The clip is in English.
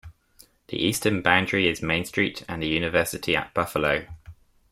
The Eastern Boundary is Main Street and the University at Buffalo.